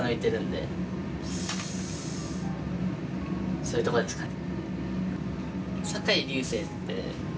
そういうところですかね。